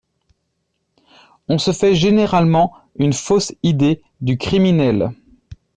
On se fait généralement une fausse idée du criminel.